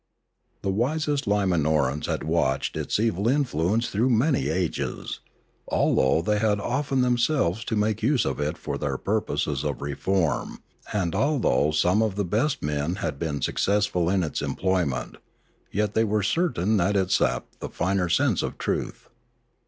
The wisest Limanorans had watched its evil in fluence through many ages; although they had. often themselves to make use of it for their purposes of re form and although some of the best men had been suc cessful in its employment, yet they were certain that it sapped the finer sense of truth.